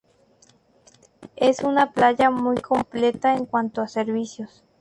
Es una playa muy completa en cuanto a servicios.